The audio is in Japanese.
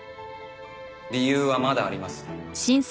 理由はまだあります。